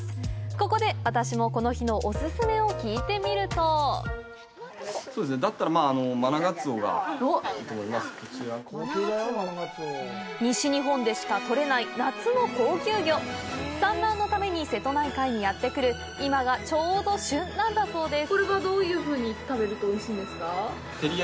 ここで私もこの日のオススメを聞いてみると西日本でしか取れない夏の高級魚産卵のために瀬戸内海にやって来る今がちょうど旬なんだそうです